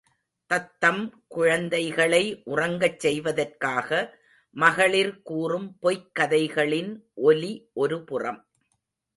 தத்தம் குழந்தைகளை உறங்கச் செய்வதற்காக மகளிர் கூறும் பொய்க் கதைகளின் ஒலி ஒருபுறம்.